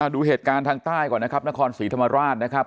ดูเหตุการณ์ทางใต้ก่อนนะครับนครศรีธรรมราชนะครับ